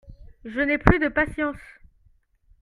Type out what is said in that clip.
Je n'ai plus de patience.